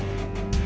saya yang menang